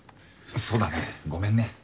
そうだねごめんね。